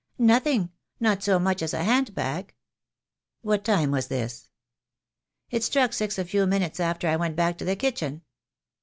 "Nothing. Not so much as a hand bag." "What time was this?" "It struck six a few minutes after I went back to the kitchen."